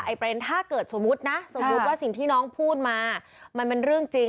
ประเด็นถ้าเกิดสมมุตินะสมมุติว่าสิ่งที่น้องพูดมามันเป็นเรื่องจริง